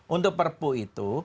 untuk perpu itu